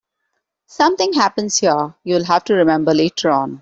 Something happens here you'll have to remember later on.